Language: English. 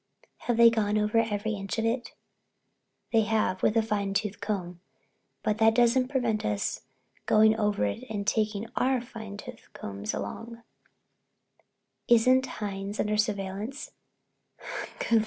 "Haven't they gone over every inch of it?" "They have—with a fine tooth comb. But that doesn't prevent us going over it and taking our fine tooth combs along." "Isn't Hines under surveillance?"